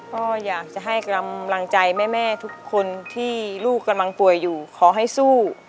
ก็อยากจะให้กำลังใจแม่ทุกคนที่ลูกกำลังป่วยอยู่ขอให้สู้